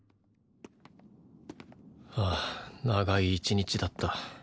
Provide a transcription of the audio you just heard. はあ長い１日だった。